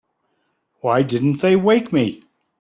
Why didn't they wake me?